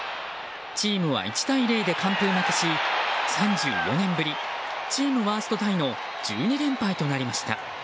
チームは１対０で完封負けし３４年ぶりチームワーストタイの１２連敗となりました。